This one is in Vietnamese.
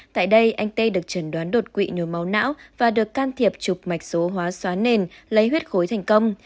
tại đây anh tê được trần đoán đột quỵ nhồi máu não và được can thiệp chụp mạch số hóa xóa nền lấy huyết khối thành công